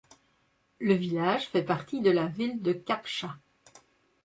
Le village fait partie de la ville de Cap-Chat.